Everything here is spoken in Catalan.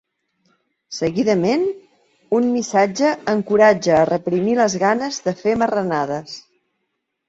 Seguidament, un missatge encoratja a reprimir les ganes de fer marranades.